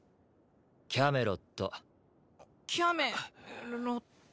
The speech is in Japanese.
キャメロットキャメロット？